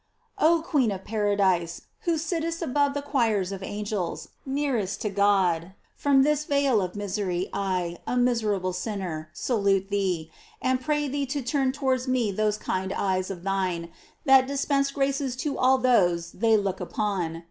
OH queen of paradise, who sittest above the choirs of angels, nearest to God ; from this vale of misery I, a miserable sinner, salute thee, and GLOKIES OF MARY. 760 pray thee to turn towards me those kind eyes of thine, that dispense graces to all those they look upon.